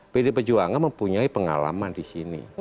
pdi perjuangan mempunyai pengalaman di sini